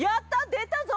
出たぞ！